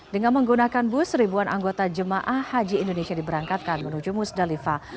dengan menggunakan bus ribuan anggota jemaah haji indonesia diberangkatkan menuju musdalifah